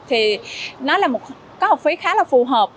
thì nó có học phí khá là phù hợp